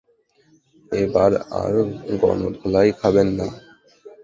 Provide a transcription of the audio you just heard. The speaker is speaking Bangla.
এবার আর গণধোলাই খাবেন না।